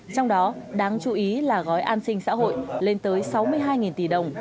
trong đó đáng chú ý là gói an sinh xã hội lên tới sáu mươi hai tỷ đồng